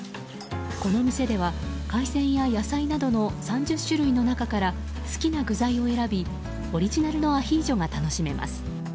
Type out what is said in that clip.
この店では海鮮や野菜などの３０種類の中から好きな具材を選びオリジナルのアヒージョが楽しめます。